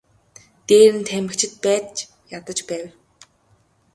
Дээр нь тамхичид байж ядаж байв.